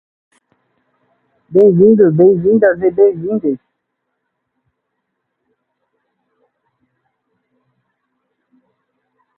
bem-vindos, bem-vindas e bem-vindes